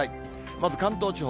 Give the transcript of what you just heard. まず関東地方。